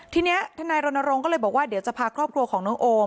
ทีนี้ทนายรณรงค์ก็เลยบอกว่าเดี๋ยวจะพาครอบครัวของน้องโอม